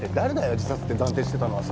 自殺って断定してたのはさ。